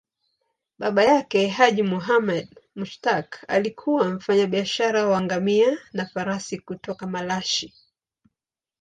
Baba yake, Haji Muhammad Mushtaq, alikuwa mfanyabiashara wa ngamia na farasi kutoka Malashi.